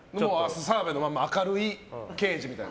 澤部のまま明るい刑事みたいな。